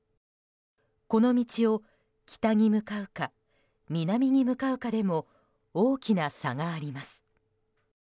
この道を北に向かうか、南に向かうかでも大きな差があります。